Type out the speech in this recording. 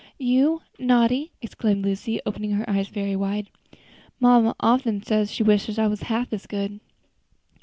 "You naughty!" exclaimed Lucy, opening her eyes very wide. "Mamma often says she wishes I was half as good."